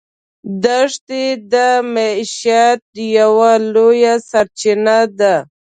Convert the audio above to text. دښتې د معیشت یوه لویه سرچینه ده.